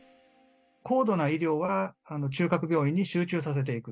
高度な医療は中核病院に集中させていく。